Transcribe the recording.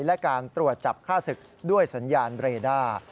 และการตรวจจับฆ่าศึกด้วยสัญญาณเรด้า